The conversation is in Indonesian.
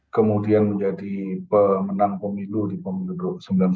kemudian menjadi pemenang pemilu di pemilu sembilan puluh sembilan